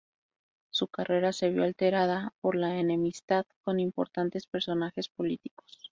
Su carrera se vio alterada por la enemistad con importantes personajes políticos.